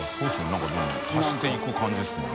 何かでも足していく感じですもんね。